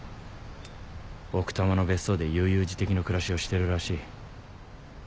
奥多摩の別荘で悠々自適の暮らしをしてるらしい。